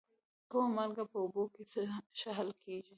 کومه مالګه په اوبو کې ښه حل کیږي؟